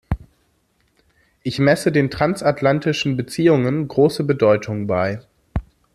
Ich messe den transatlantischen Beziehungen große Bedeutung bei.